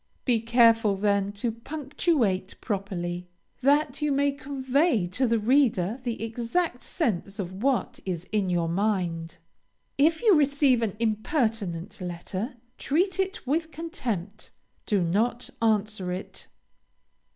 Be careful, then, to punctuate properly, that you may convey to the reader the exact sense of what is in your mind. If you receive an impertinent letter, treat it with contempt; do not answer it.